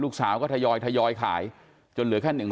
ลูกสาวก็ทยอยทยอยทยอยขายจนเหลือแค่๑๐๓งาน